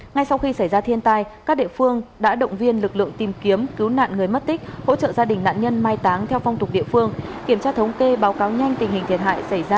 ngay sau khi xảy ra thiên tai các địa phương đã động viên lực lượng tìm kiếm cứu nạn người mất tích hỗ trợ gia đình nạn nhân mai táng theo phong tục địa phương kiểm tra thống kê báo cáo nhanh tình hình thiệt hại xảy ra